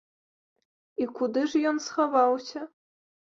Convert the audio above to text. І куды ж ён схаваўся?